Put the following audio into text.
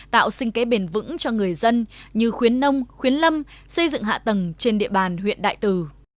tạo sinh kế bền vững cho người dân như khuyến nông khuyến lâm xây dựng hạ tầng trên địa bàn huyện đại từ